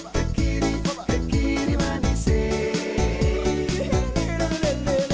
và cuộc đời việt nam